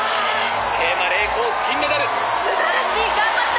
桂馬麗子銀メダル！素晴らしい頑張った！